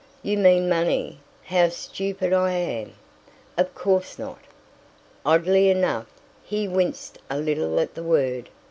"You mean money. How stupid I am! Of course not!" Oddly enough, he winced a little at the word.